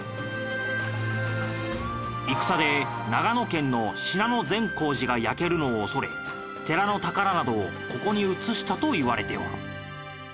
戦で長野県の信濃善光寺が焼けるのを恐れ寺の宝などをここに移したといわれておる。